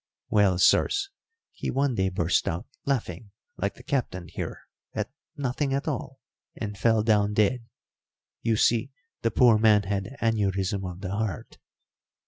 Well, sirs, he one day burst out laughing, like the Captain here, at nothing at all, and fell down dead. You see, the poor man had aneurism of the heart."